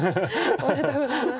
おめでとうございます。